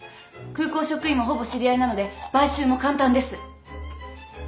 空港職員もほぼ知り合いなので買収も簡単です。